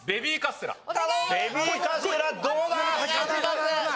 ベビーカステラどうだ？